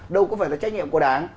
đâu có phải là trách nhiệm của đảng